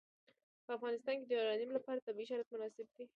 په افغانستان کې د یورانیم لپاره طبیعي شرایط مناسب دي.